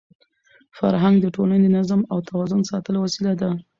فرهنګ د ټولني د نظم او توازن ساتلو وسیله ده.